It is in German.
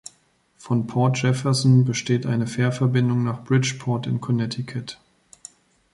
Von Port Jefferson besteht eine Fährverbindung nach Bridgeport in Connecticut.